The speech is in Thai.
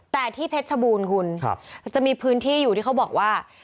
แต่ที่เพชรชบูรณ์คุณจะมีพื้นที่อยู่ที่เขาบอกว่า